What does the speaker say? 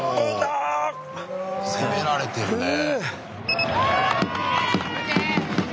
攻められてるねえ。